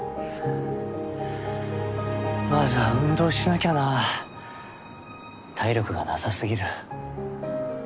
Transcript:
まずは運動しなきゃな体力がなさすぎる。